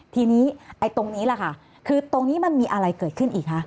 ทีนี้ไอ้ตรงนี้แหละค่ะคือตรงนี้มันมีอะไรเกิดขึ้นอีกคะ